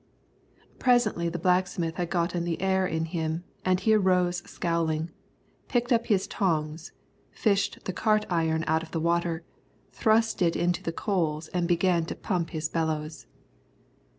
Presently the blacksmith had gotten the air in him, and he arose scowling, picked up his tongs, fished the cart iron out of the water, thrust it into the coals and began to pump his bellows.